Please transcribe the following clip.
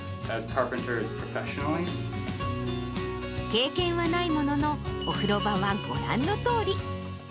経験はないものの、お風呂場はご覧のとおり。